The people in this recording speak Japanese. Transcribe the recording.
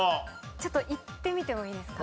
ちょっといってみてもいいですか？